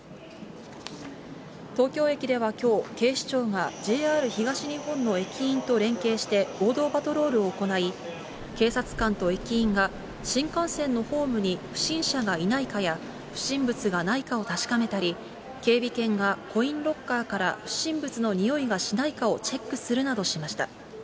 東京駅ではきょう、警視庁が、ＪＲ東日本の駅員と連携して合同パトロールを行い、警察官と駅員が、新幹線のホームに不審者がいないかや、不審物がないかを確かめたり、警備犬がコインロッカーから不審物のにおいがしないかをチェックするなどしました。